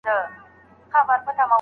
بریالیو کسانو خپله لېوالتیا ښودلې ده.